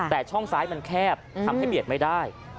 แต่ช่องซ้ายมันแคบทำให้เบียดไม่ได้